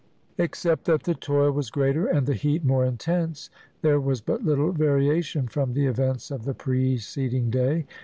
Except that the toil was greater and the heat more intense, there was but little variation from the events of the preceding day.